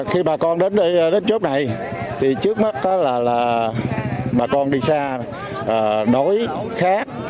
khi bà con đến chỗ này trước mắt là bà con đi xa đói khát